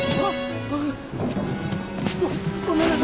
あっ。